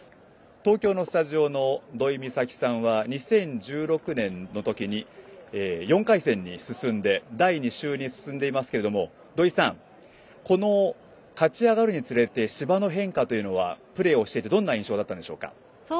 東京のスタジオの土居美咲さんは２０１６年のときに４回戦に進んで第２週に進んでいますけども土居さんこの勝ち上がるにつれて芝の変化というのはプレーをしていてどんな印象だったでしょうか？